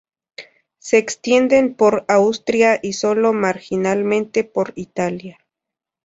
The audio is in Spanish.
Se extienden por Austria y sólo marginalmente por Italia.